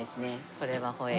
これはホエイ。